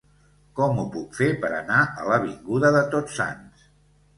Com ho puc fer per anar a l'avinguda de Tots Sants?